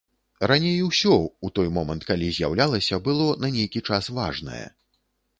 Раней усё, у той момант, калі з'яўлялася, было на нейкі час важнае.